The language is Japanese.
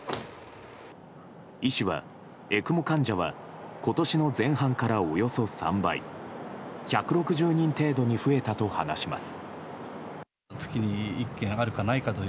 医師は、ＥＣＭＯ患者は今年の前半から、およそ３倍１６０人程度に増えたと話します。